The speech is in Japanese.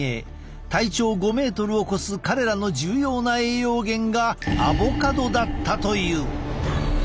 体長５ｍを超す彼らの重要な栄養源がアボカドだったという。